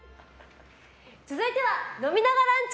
続いては飲みながランチ！